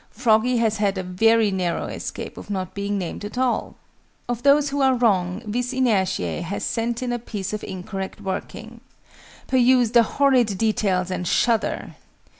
FROGGY has had a very narrow escape of not being named at all! Of those who are wrong, VIS INERTIÆ has sent in a piece of incorrect working. Peruse the horrid details, and shudder!